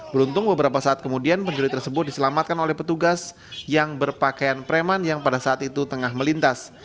beruntung beberapa saat kemudian pencuri tersebut diselamatkan oleh petugas yang berpakaian preman yang pada saat itu tengah melintas